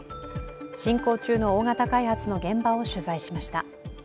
進行中の大型開発の現場を取材しました。